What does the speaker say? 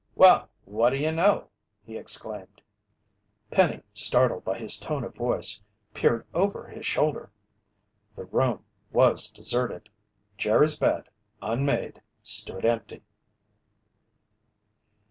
"Well, what d'you know!" he exclaimed. Penny, startled by his tone of voice, peered over his shoulder. The room was deserted. Jerry's bed, unmade, stood empty.